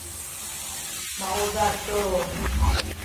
maudad tu